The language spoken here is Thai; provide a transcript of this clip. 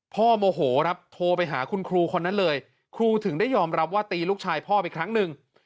โมโหครับโทรไปหาคุณครูคนนั้นเลยครูถึงได้ยอมรับว่าตีลูกชายพ่อไปครั้งหนึ่ง